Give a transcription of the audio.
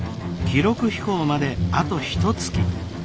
記録飛行まであとひとつき。